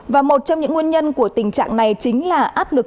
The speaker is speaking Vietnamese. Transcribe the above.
và một trong những nguyên nhân của tình trạng này chính là áp lực